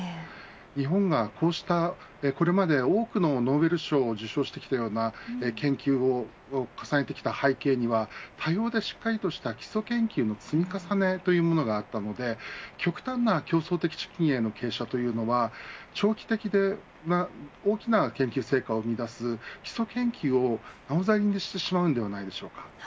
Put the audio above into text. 日本がこうした、これまで多くのノーベル賞を受賞してきたような研究を重ねてきた背景には多様でしっかりとした基礎研究の積み重ねというものがあったので、極端な競争的資金への傾斜というのは長期的では大きな研究成果を生み出す基礎研究をおざなりにしてしまうのではないでしょうか。